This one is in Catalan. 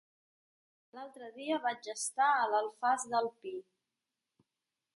L'altre dia vaig estar a l'Alfàs del Pi.